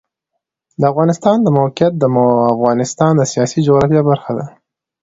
د افغانستان د موقعیت د افغانستان د سیاسي جغرافیه برخه ده.